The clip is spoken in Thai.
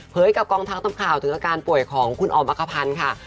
กับกองทัพทำข่าวถึงอาการป่วยของคุณออมอักภัณฑ์ค่ะ